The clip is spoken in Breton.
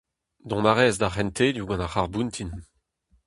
Dont a rez d'ar c'hentelioù gant ar c'harr-boutin.